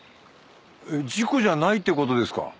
事故じゃないって事ですか？